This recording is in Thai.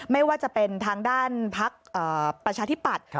ไม่ว่าจะเป็นทางด้านพักประชาธิปัตย์